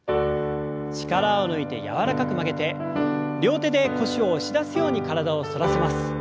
力を抜いて柔らかく曲げて両手で腰を押し出すように体を反らせます。